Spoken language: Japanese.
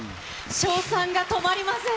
称賛が止まりません。